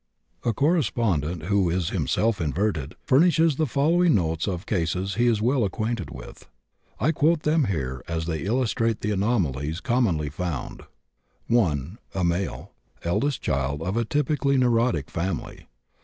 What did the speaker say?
A correspondent, who is himself inverted, furnishes the following notes of cases he is well acquainted with; I quote them here, as they illustrate the anomalies commonly found: 1. A., male, eldest child of typically neurotic family.